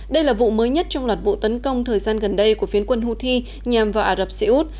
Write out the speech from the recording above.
đây là vụ mới nhất trong loạt vụ tấn công thời gian gần đây của phiến quân houthi nhằm vào ả rập xê út